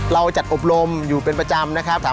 แล้วก็สองก็คือโรคขี้เปื่อยหางเปื่อยเหือกเปื่อยพวกเนี้ยครับ